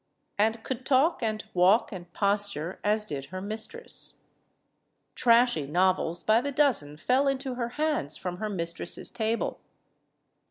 and could talk and walk and posture as did her mistress. Trashy novels by the dozen fell into her hands from her mistress* table.